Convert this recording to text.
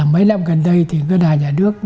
mấy năm gần đây thì ngân hà nhà đức